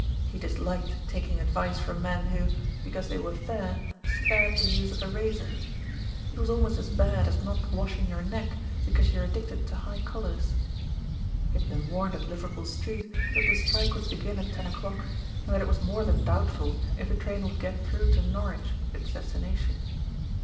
He disliked taking ad vice from men who, because they were fair, spared the use of a razor. It was almost as bad as not washing your neck because you are addicted to high collars. He had been warned at Liverpool Street that the strike would begin at ten o'clock, and that it was more than doubtful if the train would get through to Norwich, its destination.